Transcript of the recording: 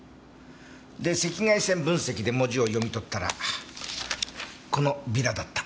赤外線分析で文字を読み取ったらこのビラだった。